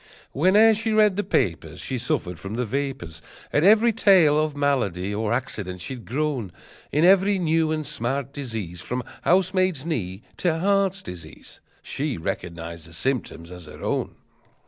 Whene'er she read the papers She suffered from the vapors, At every tale of malady or accident she'd groan; In every new and smart disease, From housemaid's knee to heart disease, She recognized the symptoms as her own!